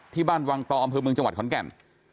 ที่บ้านวังตออำเภอเมืองจังหวัดขอนแก่น